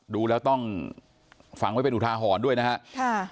ดูแล้วต้องฟังไว้เป็นอุทาหรณ์ด้วยนะครับ